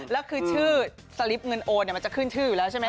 แล้วคือชื่อสลิปเงินโอนมันจะขึ้นชื่ออยู่แล้วใช่ไหมค